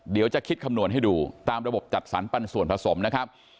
เดี๋ยวจะคิดคำนวณให้ดูตามระบบจัดสรรปันส่วนผสมนะครับ